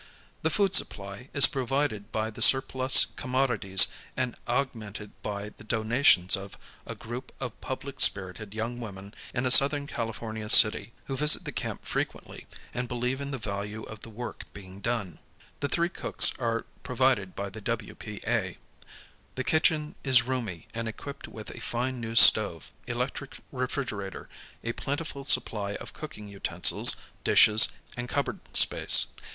The food supply is pro vided by the surplus commodities and augmented by the donations of a group of public spirited young women in a southern California city who visit the camp frequently and believe in the value of the work . 121 . GUIDING CHILDREN IN DEMOCRAIIC LIVING being done. The three cooks are provided by the W. P. A. The kitchen is roomy and equipped with a fine new stove, electric refrigerator, a plentiful supply of cooking utensils, dishes, and cupboard space.